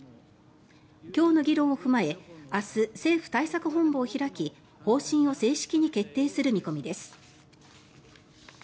今日の議論を踏まえ明日、政府対策本部を開き方針を正式に決定する見込みです。